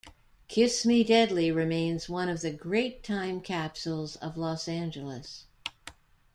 "Kiss Me Deadly" remains one of the great time capsules of Los Angeles.